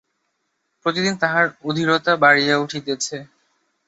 প্রতিদিন তাহার অধীরতা বাড়িয়া উঠিতেছে।